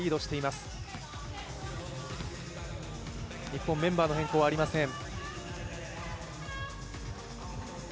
日本、メンバーの変更はありません。